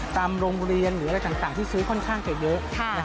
ตามโรงเรียนหรืออะไรต่างที่ซื้อค่อนข้างจะเยอะ